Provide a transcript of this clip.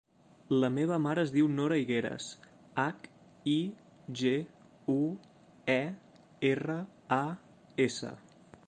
La meva mare es diu Nora Higueras: hac, i, ge, u, e, erra, a, essa.